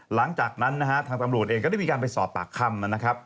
หลังจากนั้นนะฮะทางตำรวจเองก็ได้มีการไปสอบปากคำนะครับ